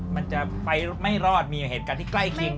มันจะไปไม่รอดมีเหตุการณ์ที่ใกล้เคียง